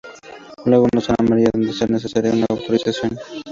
Luego una zona amarilla, donde sea necesaria una autorización.